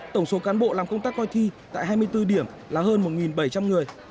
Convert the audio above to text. tổng số cán bộ làm công tác coi thi tại hai mươi bốn điểm là hơn một bảy trăm linh người